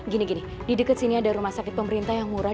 gini gini di dekat sini ada rumah sakit pemerintah yang murah